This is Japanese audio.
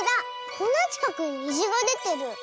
こんなちかくににじがでてる。